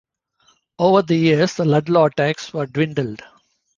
Over the years the Ludlow attacks have dwindled.